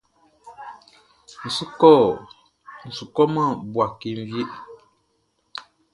N su kɔman Bouaké wie.